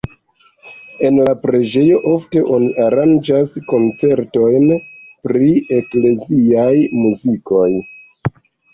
En la preĝejo ofte oni aranĝas koncertojn pri ekleziaj muzikoj.